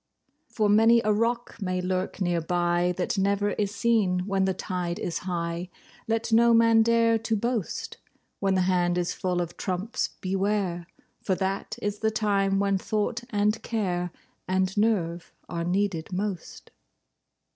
For many a rock may lurk near by, That never is seen when the tide is high— Let no man dare to boast, When the hand is full of trumps—beware, For that is the time when thought and care And nerve are needed most.